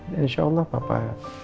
insya allah papa